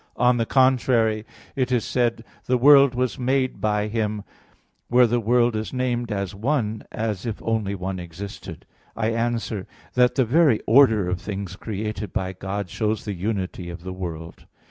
On the contrary, It is said (John 1:10): "The world was made by Him," where the world is named as one, as if only one existed. I answer that, The very order of things created by God shows the unity of the world.